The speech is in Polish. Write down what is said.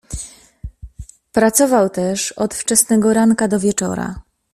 "Pracował też od wczesnego ranka do wieczora."